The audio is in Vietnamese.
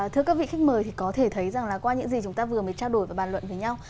thưa các vị khách mời thì có thể thấy rằng là qua những gì chúng ta vừa mới trao đổi và bàn luận với nhau